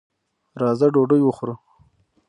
راځه ډوډۍ وخورو.